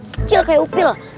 kecil kayak upil